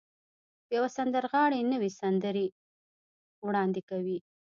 يوه سندرغاړې نوې سندرې وړاندې کوي.